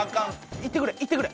いってくれいってくれ。